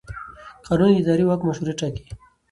قانون د اداري واک مشروعیت ټاکي.